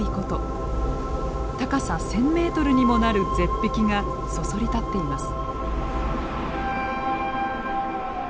高さ１，０００メートルにもなる絶壁がそそり立っています。